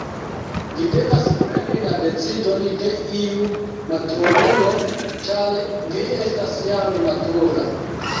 Vi devas preni la decidon de iu maturulo, ĉar vi estas jam matura.